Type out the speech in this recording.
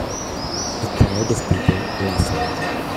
A crowd of people laughing.